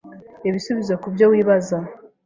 Ibisubizo ku byo wibaza